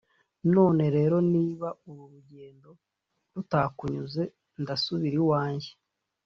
none rero niba uru rugendo rutakunyuze, ndasubira iwanjye.